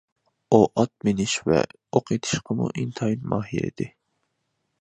ئۇ ئات مىنىش ۋە ئوق ئېتىشقىمۇ ئىنتايىن ماھىر ئىدى.